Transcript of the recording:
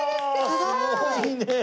すごいねえ！